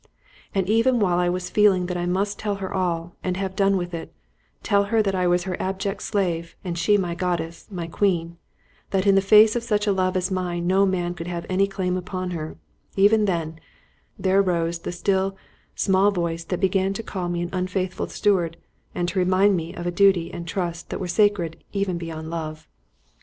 And even while I was feeling that I must tell her all, and have done with it, tell her that I was her abject slave, and she my goddess, my queen; that in the face of such a love as mine no man could have any claim upon her; even then, there arose the still, small voice that began to call me an unfaithful steward and to remind me of a duty and trust that were sacred even beyond love.